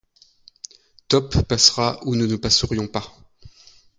Top passera où nous ne passerions pas!